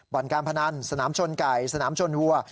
บรรการพนันทธ์สนามชนไก่สนามชนหัว